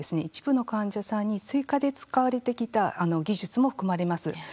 一部の患者さんに追加で使われてきた技術も含まれます。